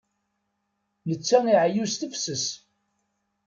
Netta iɛeyyu s tefses.